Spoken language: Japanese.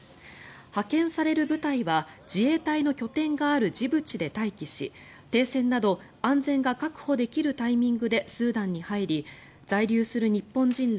派遣される部隊は自衛隊の拠点があるジブチで待機し停戦など安全が確保できるタイミングでスーダンに入り在留する日本人ら